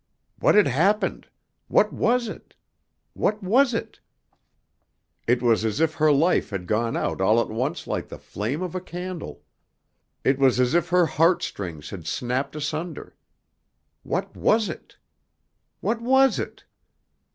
What had happened? What was it? What was it? It was as if her life had gone out all at once like the flame of a candle. It was as if her heart strings had snapped asunder. What was it? What was it?